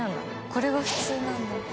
これが普通なんだ。